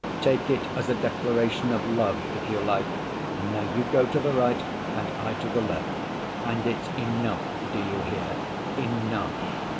Take it as a declaration of love if you like. And now you go to the right and I to the left. And it's enough, do you hear, enough.